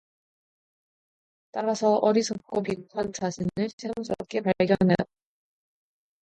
따라서 어리석고 비겁한 자신을 새삼스럽게 발견하였다.